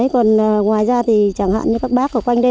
còn ngoài ra thì chẳng hạn như các bác ở quanh đây